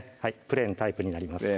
プレーンタイプになります